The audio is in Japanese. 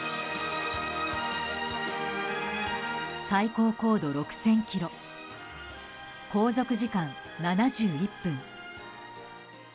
最高高度６０００ｋｍ航続時間７１分。